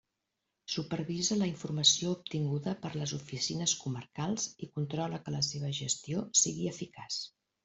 Supervisa la informació obtinguda per les oficines comarcals i controla que la seva gestió sigui eficaç.